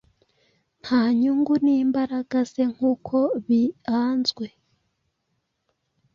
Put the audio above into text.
Nta nyungu, nimbaraga ze nkuko bianzwe